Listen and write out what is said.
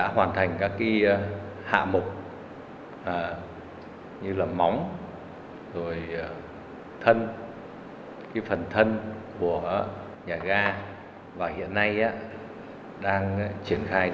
hoàn thành các nỗ lực